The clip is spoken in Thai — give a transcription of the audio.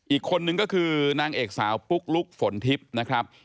อีกคนนึงก็คือนางเอกสาวปุ๊กลุ๊กฝนทิพย์นะครับ